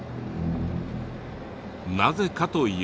なぜかというと。